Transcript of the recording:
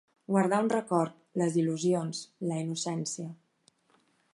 Guardar un record, les il·lusions, la innocència.